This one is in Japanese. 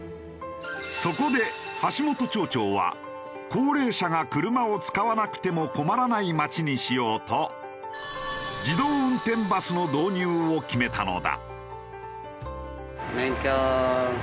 そこで橋本町長は高齢者が車を使わなくても困らない町にしようと自動運転バスの導入を決めたのだ。